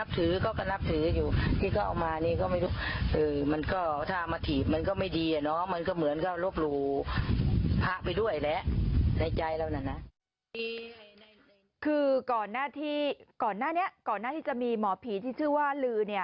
คือก่อนหน้าที่จะมีหมอผีที่ชื่อว่าลื้อ